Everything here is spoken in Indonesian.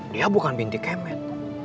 dia bukan bintik kemet